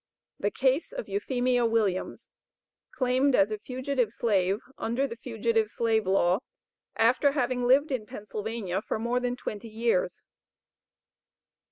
THE CASE OF EUPHEMIA WILLIAMS, CLAIMED AS A FUGITIVE SLAVE UNDER THE FUGITIVE SLAVE LAW AFTER HAVING LIVED IN PENNSYLVANIA FOR MORE THAN TWENTY YEARS.